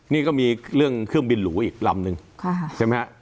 นี่ก็มีเรื่องเครื่องบินหรูอีกลำนึงใช่ไหมฮะ